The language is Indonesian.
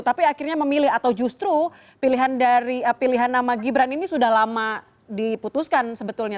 tapi akhirnya memilih atau justru pilihan dari pilihan nama gibran ini sudah lama diputuskan sebetulnya